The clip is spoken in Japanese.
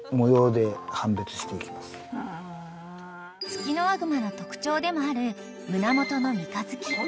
［ツキノワグマの特徴でもある胸元の三日月］